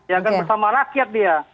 ya kan bersama rakyat dia